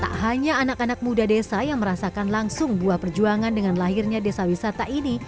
tak hanya anak anak muda desa yang merasakan langsung buah perjuangan dengan lahirnya desa wisata ini